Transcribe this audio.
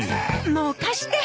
もう貸して！